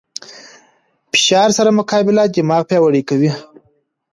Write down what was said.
فشار سره مقابله دماغ پیاوړی کوي.